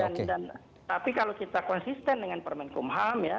dan tapi kalau kita konsisten dengan permen kumham ya